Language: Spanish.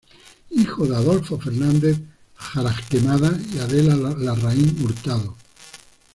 Hijo de Adolfo Fernández Jaraquemada y Adela Larraín Hurtado.